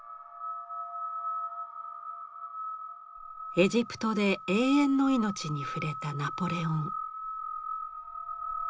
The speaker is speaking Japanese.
エジプトで永遠の命に触れたナポレオン。